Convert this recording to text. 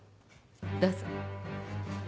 どうぞ。